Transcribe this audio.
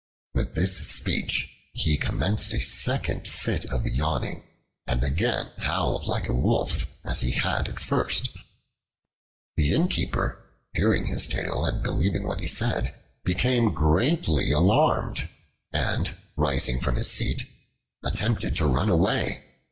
With this speech he commenced a second fit of yawning and again howled like a wolf, as he had at first. The Innkeeper, hearing his tale and believing what he said, became greatly alarmed and, rising from his seat, attempted to run away.